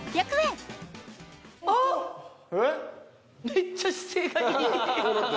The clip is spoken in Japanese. めっちゃ姿勢がいい。